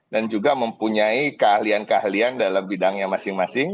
dan juga mempunyai keahlian keahlian dalam bidangnya masing masing